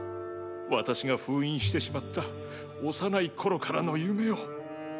私が封印してしまった幼い頃からの夢を。